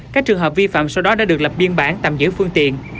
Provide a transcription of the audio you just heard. các trường hợp vi phạm sau đó đã được lập biên bản tạm giữ phương tiện